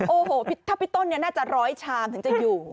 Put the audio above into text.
โอ้โหถ้าพี่ต้นน่าจะ๑๐๐ชามถึงจะอยู่